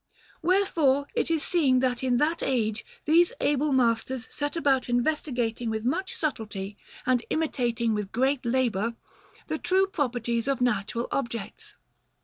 Wherefore it is seen that in that age these able masters set about investigating with much subtlety, and imitating with great labour, the true properties of natural objects.